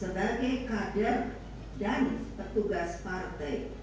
sebagai kader dan petugas partai